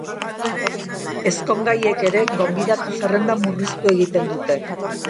Ezkongaiek ere gonbidatu-zerrenda murriztu egiten dute.